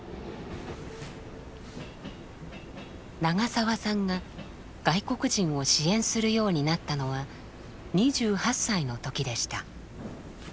長澤さんが外国人を支援するようになったのは２８歳の時でした。